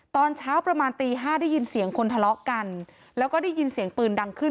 ตอนเช้าประมาณตีห้าได้ยินเสียงคนทะเลาะกันแล้วก็ได้ยินเสียงปืนดังขึ้น